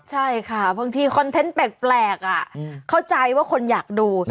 ใช่ค่ะบางทีคอนเทนต์แปลกเข้าใจว่าคนอยากดู